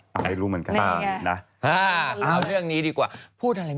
ไม่รู้เหมือนกัน